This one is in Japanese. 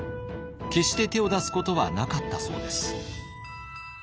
決して手を出すことはなかったそうです。